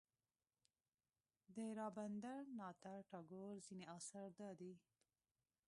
د رابندر ناته ټاګور ځینې اثار دادي.